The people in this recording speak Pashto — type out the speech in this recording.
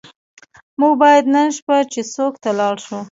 موږ باید نن شپه چیسوک ته لاړ شو.